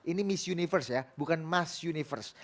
ini miss universe ya bukan mas universe